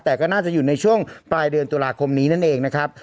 แต่ก็น่าจะอยู่ในช่วงปลายเดือนตุลาคมนี้นั่นเองนะครับ